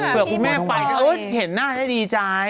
เผื่อคุณแม่ไปเห็นหน้าได้ดีใจ